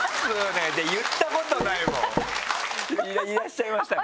いらっしゃいましたかね。